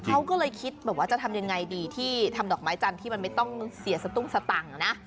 เขาก็เลยคิดแบบว่าจะทำยังไงดีที่ทำดอกไม้จันทร์ที่มันไม่ต้องเสียสตุ้งสตังค์นะ